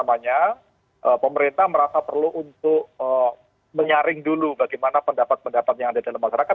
dan pemerintah merasa perlu untuk menyaring dulu bagaimana pendapat pendapat yang ada dalam masyarakat